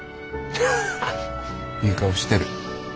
いい顔してる。